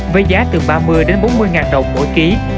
với giá từ ba mươi đến bốn mươi ngàn đồng mỗi ký